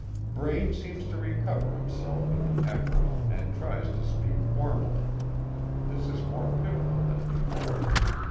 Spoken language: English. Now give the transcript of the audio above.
Braine seems to recover himself with an effort, and tries to speak formally; this is more pitiful than before.